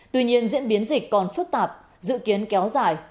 tuy nhiên diễn biến dịch còn phức tạp dự kiến kéo dài